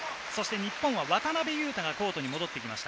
日本は渡邊雄太がコートに戻ってきました。